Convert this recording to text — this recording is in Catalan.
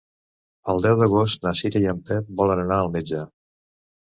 El deu d'agost na Cira i en Pep volen anar al metge.